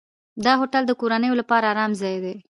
دا هوټل د کورنیو لپاره آرام ځای دی.